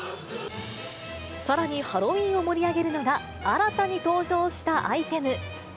さらに、ハロウィーンを盛り上げるのが、新たに登場したアイテム。